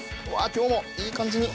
今日もいい感じに。